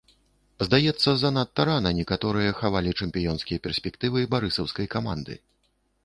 Здаецца, занадта рана некаторыя хавалі чэмпіёнскія перспектывы барысаўскай каманды.